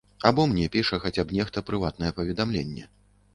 Або мне піша хаця б нехта прыватнае паведамленне.